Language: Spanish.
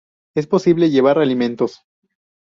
Es posible llevar alimentos.